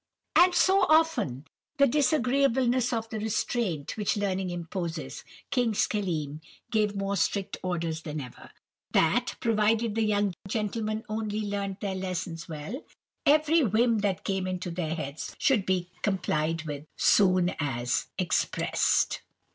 "And to soften the disagreeableness of the restraint which learning imposes, King Schelim gave more strict orders than ever, that, provided the young gentlemen only learnt their lessons well, every whim that came into their heads should be complied with soon as expressed.